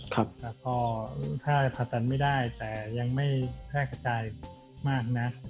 แล้วก็ถ้าผ่าตันไม่ได้แต่ยังไม่แพร่กระจายมากนัก